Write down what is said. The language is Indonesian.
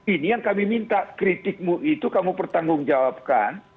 ini yang kami minta kritikmu itu kamu pertanggungjawabkan